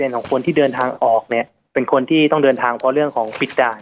ของคนที่เดินทางออกเนี่ยเป็นคนที่ต้องเดินทางเพราะเรื่องของปิดด่าน